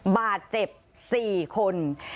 บาดเจ็บ๔คน